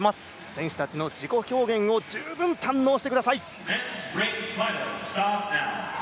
選手たちの自己表現を十分、堪能してください。